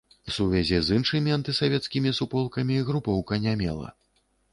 Сувязі з іншымі антысавецкімі суполкамі групоўка не мела.